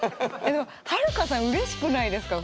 はるかさんうれしくないですか？